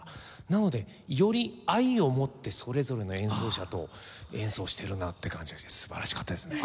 なのでより愛を持ってそれぞれの演奏者と演奏してるなって感じがして素晴らしかったですね。